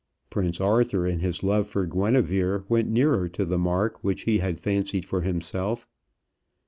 Prince Arthur, in his love for Guinevere, went nearer to the mark which he had fancied for himself.